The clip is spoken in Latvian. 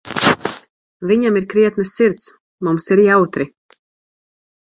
Viņam ir krietna sirds, mums ir jautri.